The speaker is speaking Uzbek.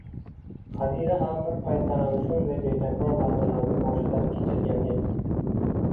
Qadira ham bir paytlar ana shunday betakror lahzalarni boshdan kechirgan edi